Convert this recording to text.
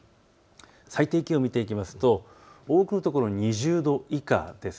最低気温を見ていきますと多くの所、２０度以下です。